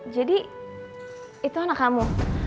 jadi itu anak kamu